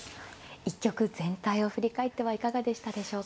一局全体を振り返ってはいかがでしたでしょうか。